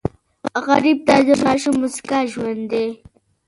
غریب ته د ماشوم موسکا ژوند دی